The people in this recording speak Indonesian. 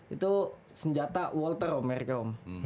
itu senjata walter om merke om